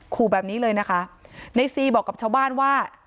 ขู่แบบนี้เลยนะคะในซีบอกกับชาวบ้านว่า